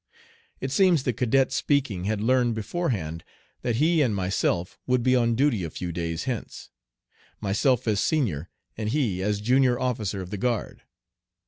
It seems the cadet speaking had learned beforehand that he and myself would be on duty a few days hence, myself as senior and he as junior officer of the guard.